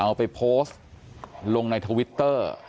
เอาไปโพสต์ลงในทวิตเตอร์